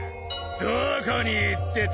どこに行ってた？